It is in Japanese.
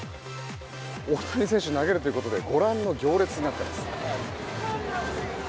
大谷選手が投げるということでご覧の行列になっています。